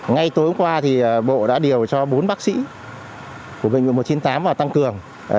ngay tối hôm qua bộ đã điều cho bốn bác sĩ của bệnh viện một trăm chín mươi tám vào tăng cường